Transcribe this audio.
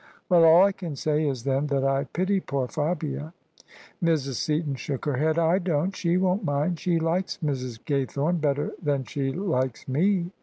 " Well, all I can say is, then, that I pity poor Fabia." Mrs. Seaton shook her head. " I don't. She won't mind. She likes Mrs. Gaythome better than she likes me."